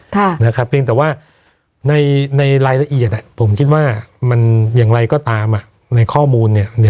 เพียงแต่ว่าในรายละเอียดผมคิดว่ามันอย่างไรก็ตามในข้อมูลเนี่ย